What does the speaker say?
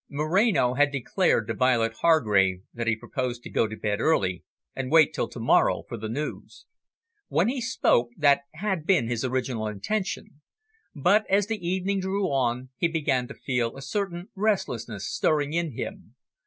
Moreno had declared to Violet Hargrave that he proposed to go to bed early, and wait till to morrow for the news. When he spoke that had been his original intention. But, as the evening drew on, he began to feel a certain restlessness stirring in him.